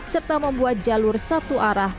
serta membuat jalur satu arah